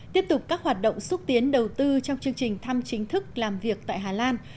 tiếp tục các hoạt động xúc tiến đầu tư trong chương trình thăm chính thức làm việc tại hà lan